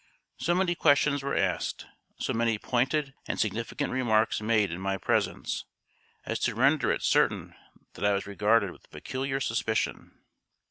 So many questions were asked, so many pointed and significant remarks made in my presence, as to render it certain that I was regarded with peculiar suspicion.